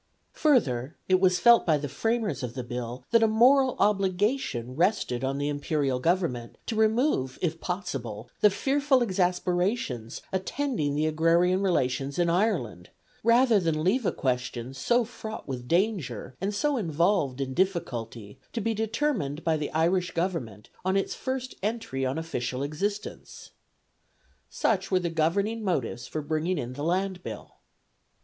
Further, it was felt by the framers of the Bill that a moral obligation rested on the Imperial Government to remove, if possible, "the fearful exasperations attending the agrarian relations in Ireland," rather than leave a question so fraught with danger, and so involved in difficulty, to be determined by the Irish Government on its first entry on official existence. Such were the governing motives for bringing in the Land Bill.